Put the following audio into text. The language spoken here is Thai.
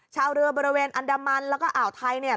ชาวเรือบริเวณอันดามันแล้วก็อ่าวไทยเนี่ย